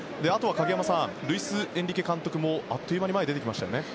影山さんルイス・エンリケ監督もあっという間に前に出てきましたね。